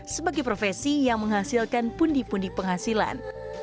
sebagai profesi yang menghasilkan pundi pundi penghasilan